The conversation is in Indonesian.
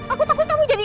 aku takut kamu jadi